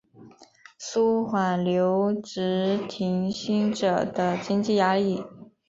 纾缓留职停薪者的经济压力